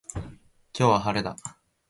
今日は晴れだ